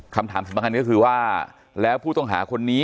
คำถามสำคัญก็คือว่าแล้วผู้ต้องหาคนนี้